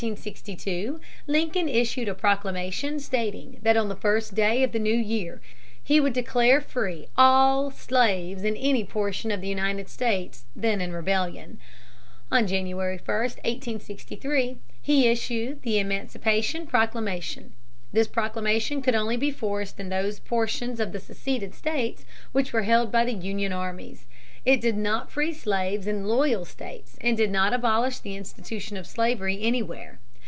On September 23, 1862, Lincoln issued a proclamation stating that on the first day of the new year he would declare free all slaves in any portion of the United States then in rebellion. On January 1, 1863, he issued the Emancipation Proclamation. This proclamation could be enforced only in those portions of the seceded states which were held by the Union armies. It did not free slaves in loyal states and did not abolish the institution of slavery anywhere.